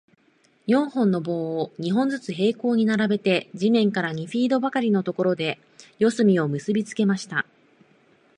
四本の棒を、二本ずつ平行に並べて、地面から二フィートばかりのところで、四隅を結びつけました。